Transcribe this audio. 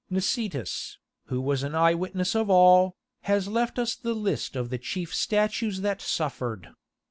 Nicetas, who was an eyewitness of all, has left us the list of the chief statues that suffered.